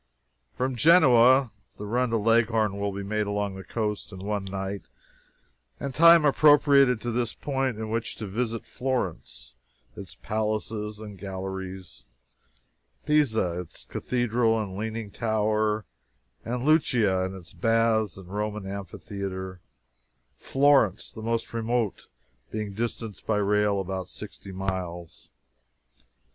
From Genoa the run to Leghorn will be made along the coast in one night, and time appropriated to this point in which to visit Florence, its palaces and galleries; Pisa, its cathedral and "Leaning Tower," and Lucca and its baths, and Roman amphitheater; Florence, the most remote, being distant by rail about sixty miles.